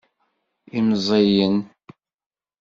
Imẓiyen.